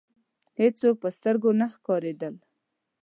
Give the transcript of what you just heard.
هېڅوک په سترګو نه ښکاریدل.